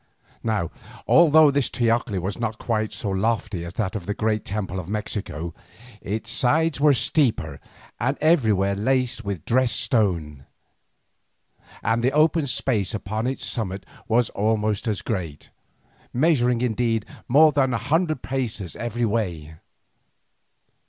Now although this teocalli was not quite so lofty as that of the great temple of Mexico, its sides were steeper and everywhere faced with dressed stone, and the open space upon its summit was almost as great, measuring indeed more than a hundred paces every way.